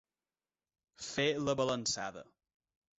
Fer la balançada.